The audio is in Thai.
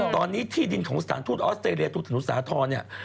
ตอนนี้ที่ดินสถานทูตอออสเตรเลียทูตขนุศาธรเนี่ย